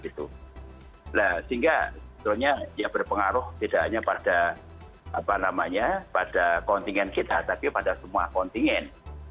nah sehingga tentunya ya berpengaruh tidak hanya pada apa namanya pada kontingen kita tapi pada semua kontingen